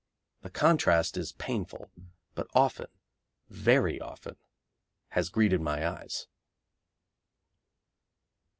The contrast is painful, but often, very often, has greeted my eyes.